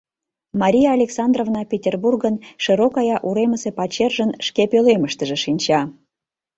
Мария Александровна Петербургын Широкая уремысе пачержын шке пӧлемыштыже шинча.